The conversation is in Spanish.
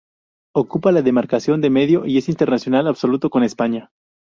Ocupa la demarcación de medio y es internacional absoluto con España.